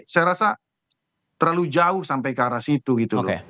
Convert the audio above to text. saya rasa terlalu jauh sampai ke arah situ gitu loh